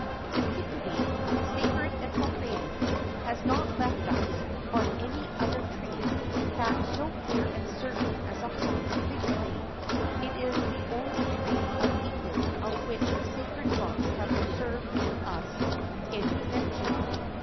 Antiquity, sacred and profane, has not left us, on any other tree, facts so clear and certain as upon the fig tree; it is the only tree of Eden of which the sacred books have preserved to us any mention.